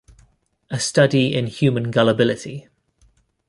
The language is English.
A study in human gullibility.